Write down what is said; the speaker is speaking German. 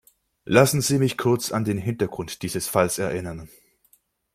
Lassen Sie mich kurz an den Hintergrund dieses Falls erinnern.